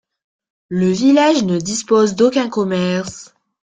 Le village ne dispose d'aucun commerce.